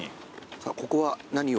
さあここは何を？